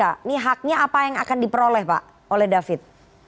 ini haknya apa yang akan diperoleh pak oleh david